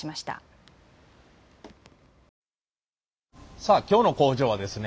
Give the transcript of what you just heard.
さあ今日の工場はですね